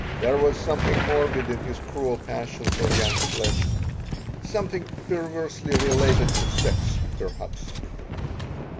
There was something morbid in his cruel passion for young flesh something perversely related to sex, perhaps.